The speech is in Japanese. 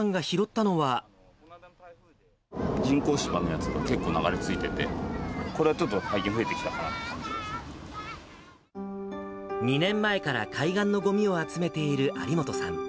人工芝のやつが、結構流れ着いてて、これはちょっと、２年前から海岸のごみを集めている有本さん。